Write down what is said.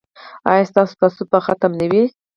ایا ستاسو تعصب به ختم نه وي؟